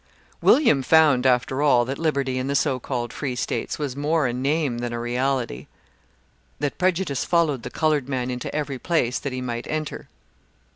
William found, after all, that liberty in the so called Free States was more a name than a reality; that prejudice followed the coloured man into every place that he might enter.